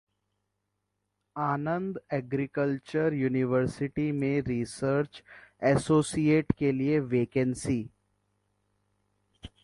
आनंद agriculture university में research associates के लिए वैकेंसी